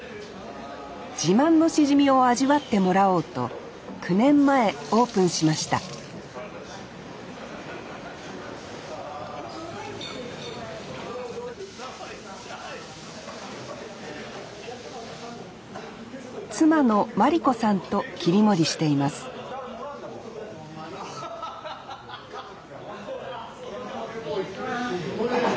自慢のしじみを味わってもらおうと９年前オープンしました妻の万里子さんと切り盛りしています失礼します。